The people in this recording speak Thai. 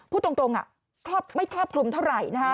พูดตรงไม่ครอบคลุมเท่าไหร่